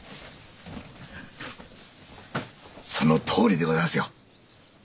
そのとおりでございますよ。